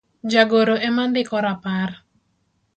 jagoro ema ndiko rapar